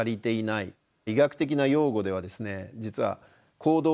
医学的な用語ではですね